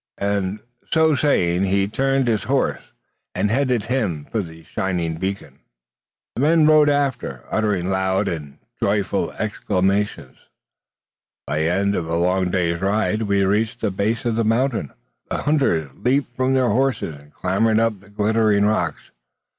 and, so saying, he turned his horse, and headed him for the shining beacon. The men rode after, uttering loud and joyful acclamations. At the end of a long day's ride we reached the base of the mountain. The hunters leaped from their horses, and clambered up to the glittering rocks.